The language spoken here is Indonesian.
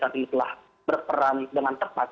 yang telah berperan dengan tepat